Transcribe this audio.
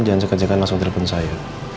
jangan sekejepitnya langsung telepon saya